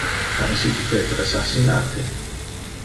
Ha essite Peter assassinate?